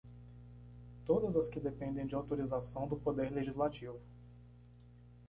Todas as que dependem de autorização do Poder Legislativo.